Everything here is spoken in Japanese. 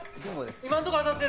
今のところ、当たってる？